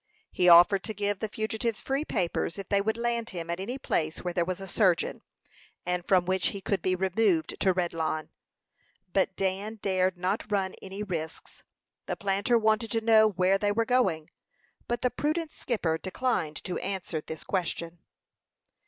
He offered to give the fugitives free papers if they would land him at any place where there was a surgeon, and from which he could be removed to Redlawn; but Dan dared not run any risks. The planter wanted to know where they were going, but the prudent skipper declined to answer this question.